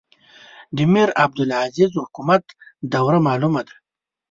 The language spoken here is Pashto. د میرعبدالعزیز حکومت دوره معلومه ده.